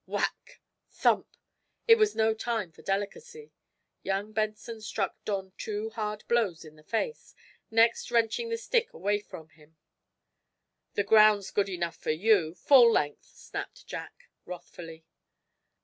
Whack! thump! It was no time for delicacy. Young Benson struck Don two hard blows in the face, next wrenching the stick away from him. "The ground's good enough for you full length!" snapped Jack; wrathfully.